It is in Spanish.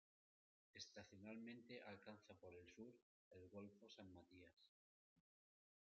Estacionalmente alcanza por el sur el golfo San Matías.